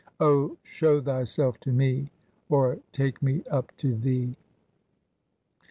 Oh, show Thyself to me, Or take me up to Thee!"